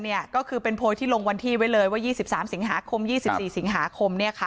แต่นี่ก็คือเป็นโพยที่ลงวันที่ไว้เลยว่า๒๓๒๔สิงหาคม